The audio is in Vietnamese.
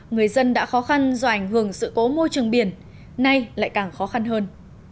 người dân đã khó khăn do ảnh hưởng sự cố môi trường biển nay lại càng khó khăn hơn